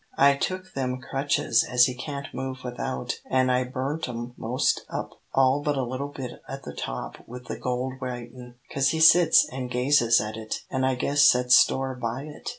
I took them crutches as he can't move without, an' I burnt 'em most up all but a little bit at the top with the gold writin', 'cause he sits an' gazes at it, an' I guess sets store by it."